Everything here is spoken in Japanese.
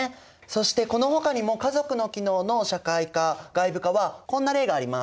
そしてこのほかにも家族の機能の社会化外部化はこんな例があります。